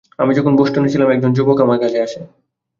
আমি যখন বষ্টনে ছিলাম, একজন যুবক আমার কাছে আসে।